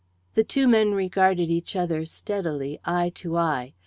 The two men regarded each other steadily, eye to eye.